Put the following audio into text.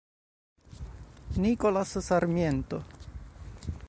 Nicolás Sarmiento